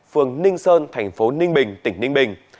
phường ninh sơn tp ninh bình tỉnh ninh bình